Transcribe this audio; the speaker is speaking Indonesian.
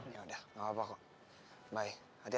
yaudah nggak apa apa kok bye hati hati ya